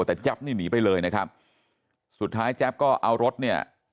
แต่แจ๊บนี่หนีไปเลยนะครับสุดท้ายแจ๊บก็เอารถเนี่ย